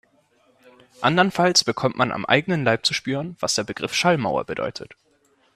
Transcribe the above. Andernfalls bekommt man am eigenen Leib zu spüren, was der Begriff Schallmauer bedeutet.